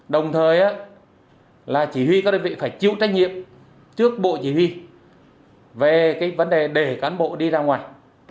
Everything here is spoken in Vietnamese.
đồng thời là chỉ huy các đơn vị phải chịu trách nhiệm trước bộ chỉ huy về cái vấn đề để cán bộ đi ra ngoài